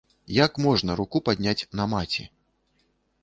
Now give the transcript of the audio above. Як можна руку падняць на маці?